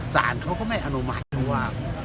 สารเขาก็ไม่อนุมัติเพราะว่า